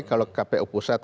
kalau kpu pusat